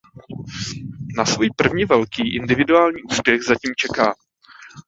Na svůj první velký individuální úspěch zatím čeká.